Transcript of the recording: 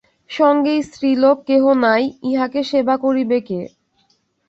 সঙ্গে স্ত্রীলোক কেহ নাই, ইঁহাকে সেবা করিবে কে?